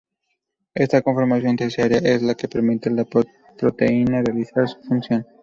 Esta conformación terciaria es la que permite a la proteína realizar su función.